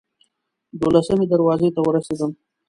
دولسمې دروازې ته ورسېدم.